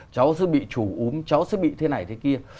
cháu sẽ bị chủ úm cháu sẽ bị thế này thế kia